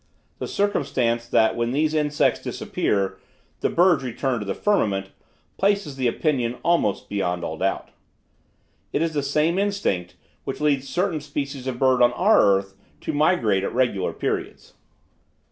The circumstance, that when these insects disappear, the birds return to the firmament, places the opinion almost beyond all doubt. It is the same instinct, which leads certain species of birds on our earth to migrate at regular periods.